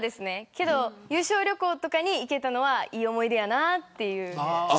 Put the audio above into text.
けど、優勝旅行とかに行けたのはいい思い出やなっていう。